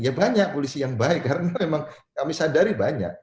ya banyak polisi yang baik karena memang kami sadari banyak